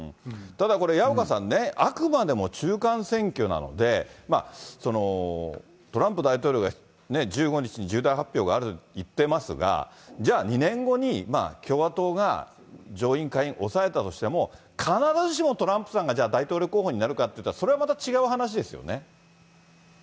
ただこれ、矢岡さんね、あくまでも中間選挙なので、トランプ大統領が１５日に重大発表があると言ってますが、じゃあ、２年後に、共和党が上院、下院押さえたとしても、必ずしもトランプさんがじゃあ、大統領候補になるかっていったら、それはまた違う話ですよね。